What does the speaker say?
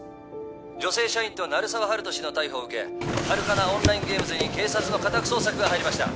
女性社員と鳴沢温人氏の逮捕を受けハルカナ・オンライン・ゲームズに警察の家宅捜索が入りました